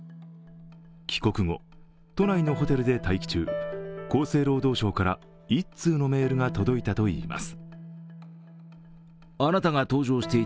帰国後、都内のホテルで待機中厚生労働省から１通のメールが届いたといいます。